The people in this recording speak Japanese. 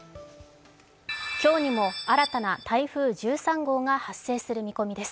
今日にも新たな台風１３号が発生する見込みです。